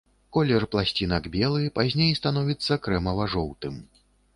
Колер пласцінак белы, пазней становіцца крэмава-жоўтым.